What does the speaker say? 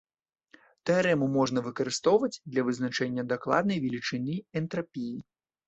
Тэарэму можна выкарыстоўваць для вызначэння дакладнай велічыні энтрапіі.